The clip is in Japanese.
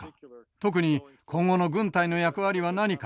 特に今後の軍隊の役割は何か。